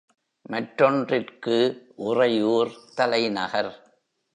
மற்றொன்றிற்கு உறையூர் தலைநகர்.